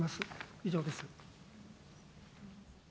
以上です。